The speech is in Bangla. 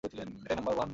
এটাই নাম্বার ওয়ান!